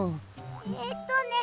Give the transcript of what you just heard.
えっとね